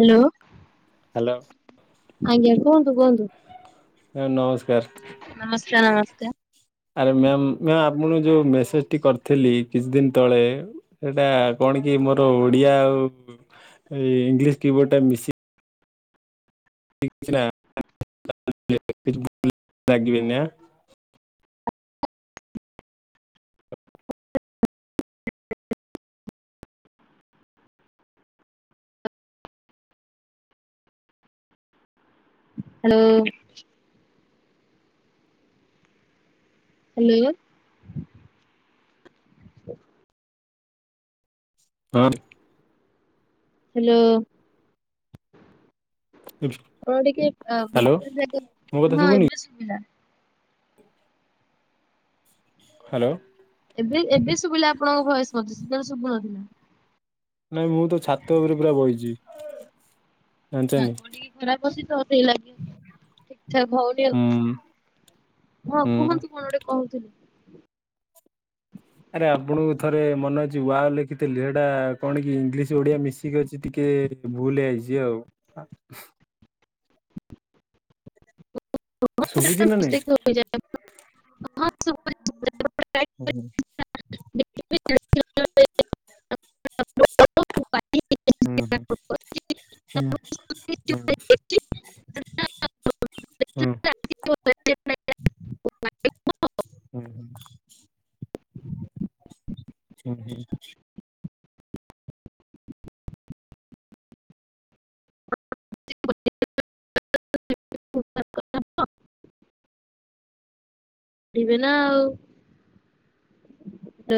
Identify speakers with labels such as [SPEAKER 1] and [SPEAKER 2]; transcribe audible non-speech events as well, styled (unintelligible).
[SPEAKER 1] Hello.
[SPEAKER 2] Hello.
[SPEAKER 1] ଆଜ୍ଞା କୁହନ୍ତୁ କୁହନ୍ତୁ।
[SPEAKER 2] ମ୍ୟାଡମ୍ ନମସ୍କାର।
[SPEAKER 1] ନମସ୍କାର ନମସ୍କାର।
[SPEAKER 2] ଆରେ ମ୍ୟାମ୍ ମ୍ୟାମ୍ ଆପଣ ଙ୍କୁ ଯୋଉ ମେସେଜ ଟି କରିଥିଲି କିଛି ଦିନ ତଳେ, ସେଟା କଣ ଟିକେ ମୋର ଓଡ଼ିଆ ଆଉ ଏ ଇଂଲିଶ କିିବୋର୍ଡଟା ମିଶି (unintelligible) ରାଗିବେନି ଆଁ।
[SPEAKER 1] ହ୍ୟାଲୋ। ହ୍ୟାଲୋ। (unintelligible)
[SPEAKER 2] ହଁ।
[SPEAKER 1] ହ୍ୟାଲୋ। ଆପଣ ଟିକେ
[SPEAKER 2] ହ୍ୟାଲୋ
[SPEAKER 1] (unintelligible) ହଁ
[SPEAKER 2] ମୋ କଥା ଶୁଭୁନି
[SPEAKER 1] ଏବେ ଶୁଭିଲା।
[SPEAKER 2] ହ୍ୟାଲୋ।
[SPEAKER 1] ଏବେ ଏବେ ଶୁଭିଲା ଆପଣଙ୍କ ଭଏସ ମତେ। ସେତେବେଳେ ଶୁଭୁନଥିଲା।
[SPEAKER 2] ନାଇଁ ମୁଁ ତ ଛାତ ଉପରେ ପୁରା ବଇଚି। ଜାଣିଛନି
[SPEAKER 1] ପାଗ ଟିକେ ଖରାପ ଅଛି ତ, ସେଇ ଲାଗି ଠିକ ଠାକ ହଉନି
[SPEAKER 2] ହୁଁ
[SPEAKER 1] ଆଉ। ହଁ
[SPEAKER 2] ହୁଁ
[SPEAKER 1] କୁହନ୍ତୁ କଣ ଗୋଟେ କହୁଥିଲେ?
[SPEAKER 2] ଆରେ ଆପଣଙ୍କୁ ଥରେ ମନେ ଅଛି ୱାଓ ଲେଖିଥିଲି, ସେଇଟା କଣ କି ଇଂଲିଶ ଓଡିଆ ମିଶିକି ଅଛି ଟିକେ କେ ଭୁଲ ହେଇଯାଇଛି ଆଉ। ଶୁଭୁଛି ନା ନାଇଁ
[SPEAKER 1] (unintelligible)
[SPEAKER 2] ହୁଁ।
[SPEAKER 1] (unintelligible)
[SPEAKER 2] ହୁଁ, ହୁଁ, ହୁଁ, ହୁଁ।
[SPEAKER 1] (unintelligible)
[SPEAKER 2] ହୁଁ। ହୁଁ, ହୁଁ।
[SPEAKER 1] (unintelligible) ପିଇବେ ନା ଆଉ।